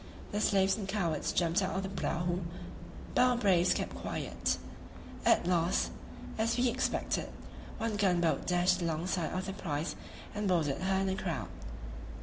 The slaves and cowards jumped out of the prahu, but our braves kept quiet; at last, as we expected, one gun boat dashed alongside of their prize and boarded her in a crowd.